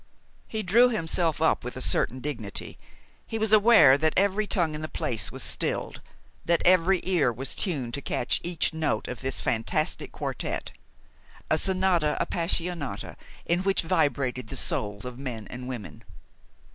He drew himself up with a certain dignity. He was aware that every tongue in the place was stilled, that every ear was tuned to catch each note of this fantastic quartet, a sonata appassionata in which vibrated the souls of men and women.